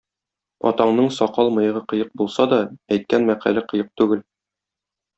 Атаңның сакал-мыегы кыек булса да, әйткән мәкале кыек түгел.